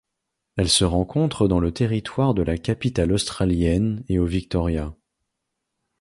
Elle se rencontre dans le Territoire de la capitale australienne et au Victoria.